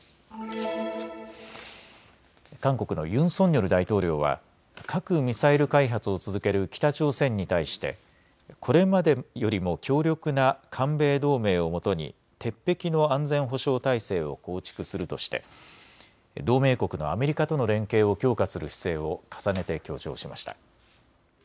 韓国のユン・ソンニョル大統領は核・ミサイル開発を続ける北朝鮮に対してこれまでよりも強力な韓米同盟をもとに鉄壁の安全保障体制を構築するとして同盟国のアメリカとの連携を強化する姿勢を重ねて強調しました。